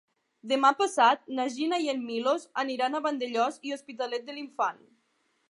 Demà passat na Gina i en Milos aniran a Vandellòs i l'Hospitalet de l'Infant.